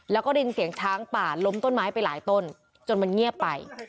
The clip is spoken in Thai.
แล้วก็ได้ยินเสียงช้างป่าล้มต้นไม้ไปหลายต้นจนมันเงียบไป